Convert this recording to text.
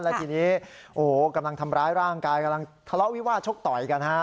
และทีนี้โอ้โหกำลังทำร้ายร่างกายกำลังทะเลาะวิวาดชกต่อยกันฮะ